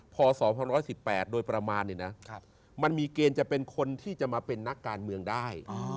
พศ๑๑๘โดยประมาณมันมีเกณฑ์จะเป็นคนที่จะมาเป็นนักการเมืองได้